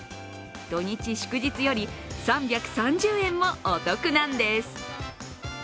土日・祝日より３３０円もお得なんです。